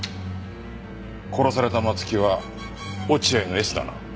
殺された松木は落合のエスだな？